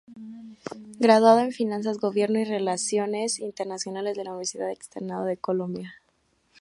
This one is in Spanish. Graduada en Finanzas, Gobierno y Relaciones Internacionales de la Universidad Externado de Colombia.